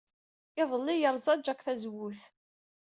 Iḍelli, yerẓa Jake tazewwut.